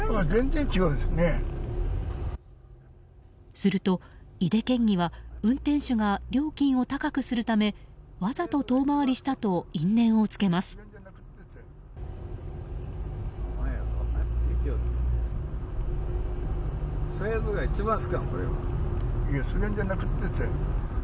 すると、井手県議は運転手が料金を高くするため、わざと遠回りしたと因縁をつけます。